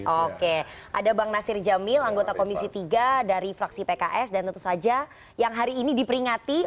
oke ada bang nasir jamil anggota komisi tiga dari fraksi pks dan tentu saja yang hari ini diperingati